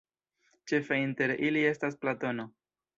Ĉefe inter ili estas Platono.